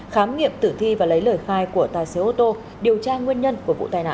khám nghiệm tử thi và lấy lời khai của tài xế ô tô điều tra nguyên nhân của vụ tai nạn